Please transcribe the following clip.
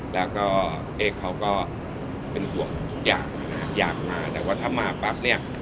แล้วก็เอ็กซ์เขาก็เป็นห่วงอยากมาแต่ว่าถ้ามาปั๊บเนี่ย